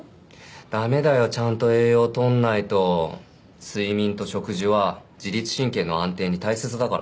ダメだよちゃんと栄養とんないと睡眠と食事は自律神経の安定に大切だからね